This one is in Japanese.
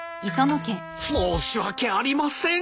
申し訳ありません。